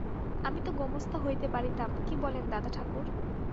আমি তো গোমস্তা হইতে পারিতাম, কী বলেন দাদাঠাকুর?